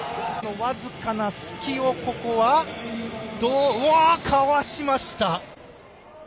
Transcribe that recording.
わずかな隙を、ここはかわしました。